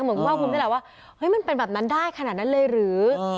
เหมือนว่าคุณบอกแบบนั้นได้ขนาดนั้นเลยหรือ